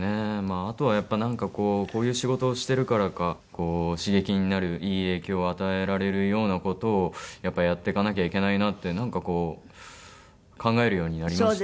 あとはやっぱなんかこうこういう仕事をしてるからか刺激になるいい影響を与えられるような事をやっぱりやっていかなきゃいけないなってなんかこう考えるようになりましたね。